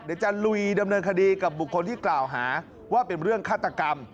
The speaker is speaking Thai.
เดี๋ยวจะลุยดำเนินคดีกับบุคคลที่กล่าวหาว่าเป็นเรื่องฆาตกรรม